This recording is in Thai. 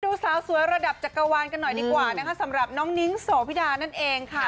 ดูสาวสวยระดับจักรวาลกันหน่อยดีกว่านะคะสำหรับน้องนิ้งโสพิดานั่นเองค่ะ